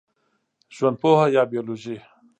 ژوندپوهه یا بېولوژي